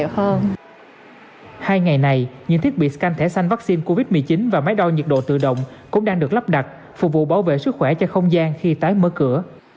hai ngày này những thiết bị canh thẻ xanh vaccine covid một mươi chín và máy đo nhiệt độ tự động cũng đang được lắp đặt phục vụ bảo vệ sức khỏe cho không gian khi tái mở cửa